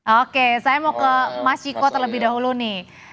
oke saya mau ke mas ciko terlebih dahulu nih